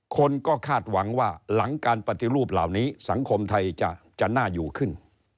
คนก็คาดหวังว่าหลังการปฏิรูปเหล่านี้สังคมไทยจะน่าอยู่ขึ้น